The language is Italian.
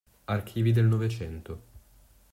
Archivi del Novecento